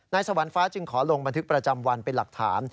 นายสวรรค์ฟ้าจึงลงบัณฑฤประจำวันเป็นหลักฐาน